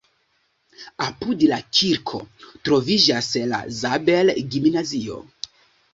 Apud la kirko troviĝas la Zabel-gimnazio.